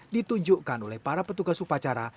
ditunjukkan oleh para petugas upacara